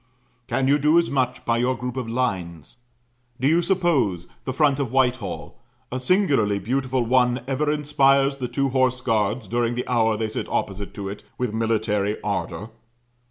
Can you do as much by your group of lines? Do you suppose the front of Whitehall, a singularly beautiful one ever inspires the two Horse Guards, during the hour they sit opposite to it, with military ardour?